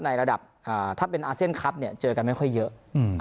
ในระดับถ้าเป็นอาเซียนคลับเนี่ยเจอกันไม่ค่อยเยอะ